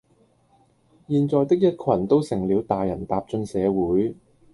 現在的一群都成了大人踏進社會